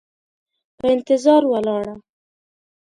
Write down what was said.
په انتظار ولاړه،